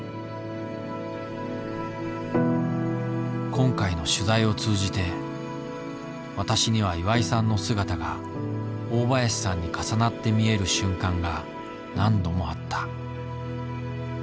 今回の取材を通じて私には岩井さんの姿が大林さんに重なって見える瞬間が何度もあった。